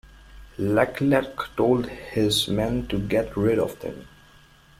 Leclerc told his men to get rid of them.